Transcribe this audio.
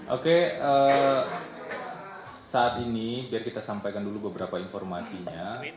oke saat ini biar kita sampaikan dulu beberapa informasinya